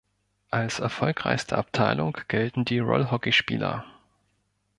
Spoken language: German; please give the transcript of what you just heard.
Als erfolgreichste Abteilung gelten die Rollhockey-Spieler.